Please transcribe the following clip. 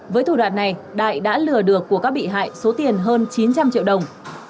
với thủ đoạn này đại đã lừa được của các bị hại số tiền hơn chín trăm linh triệu đồng